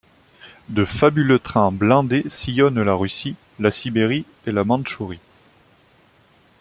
De fabuleux trains blindés sillonnent la Russie, la Sibérie et la Mandchourie.